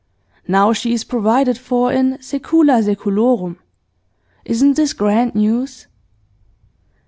Now she is provided for in secula seculorum. Isn't this grand news?